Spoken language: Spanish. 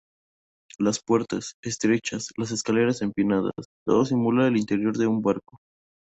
Las puertas, estrechas; las escaleras, empinadas: todo simula el interior de un barco.